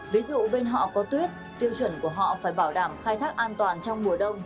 ví dụ bên họ có tuyết tiêu chuẩn của họ phải bảo đảm khai thác an toàn trong mùa đông